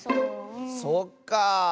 そっか。